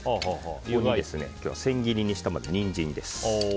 ここに千切りにしたニンジンです。